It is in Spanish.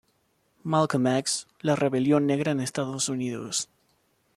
Malcom x, La Rebelión negra en Estados Unidos.